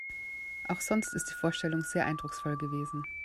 Auch sonst ist die Vorstellung sehr eindrucksvoll gewesen.